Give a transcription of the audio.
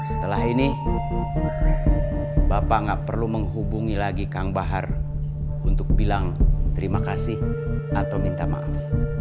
setelah ini bapak nggak perlu menghubungi lagi kang bahar untuk bilang terima kasih atau minta maaf